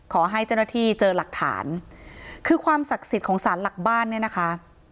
ขอให้เจ้าหน้าที่เจอหลักฐานคือความศักดิ์สิทธิ์ของสารหลักบ้านเนี่ยนะคะ